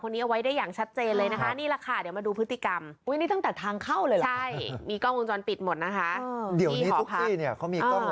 เดี๋ยวนี้ทุกที่เขามีกล้องวงจรปิดหมดแล้วนะ